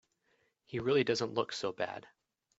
He really doesn't look so bad.